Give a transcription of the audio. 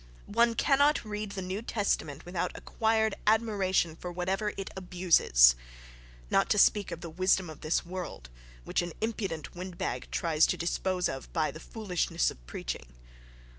One cannot read the New Testament without acquired admiration for whatever it abuses—not to speak of the "wisdom of this world," which an impudent wind bag tries to dispose of "by the foolishness of preaching."...